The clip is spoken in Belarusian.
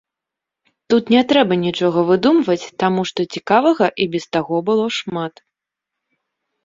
Тут не трэба нічога выдумваць, таму што цікавага і без таго было шмат.